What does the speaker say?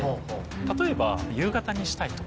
例えば夕方にしたいとか。